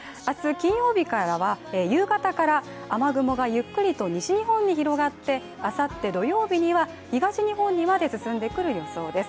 金曜日からは、夕方から雨雲がゆっくりと西日本に広がってあさって土曜日には東日本にまで進んでくる予想です。